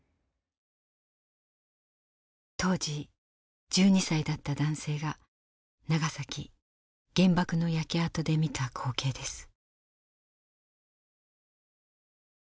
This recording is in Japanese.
当時１２歳だった男性が長崎原爆の焼け跡で見た光景です。